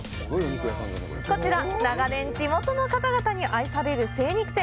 こちら、長年地元の方々に愛される精肉店。